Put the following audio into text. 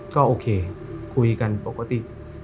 ก็โอเคคุยกันปกติ